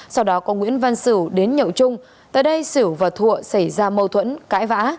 sau đó có nguyễn văn sửu đến nhậu trung tại đây xỉu và thụa xảy ra mâu thuẫn cãi vã